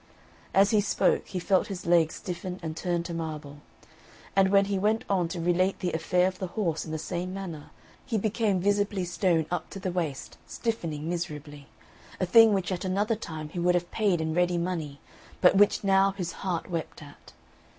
As he spoke, he felt his legs stiffen and turn to marble. And when he went on to relate the affair of the horse in the same manner, he became visibly stone up to the waist, stiffening miserably a thing which at another time he would have paid in ready money, but which now his heart wept at.